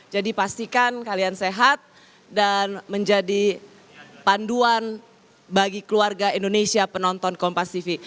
jadi pastikan kalian sehat dan menjadi panduan bagi keluarga indonesia penonton kompas tv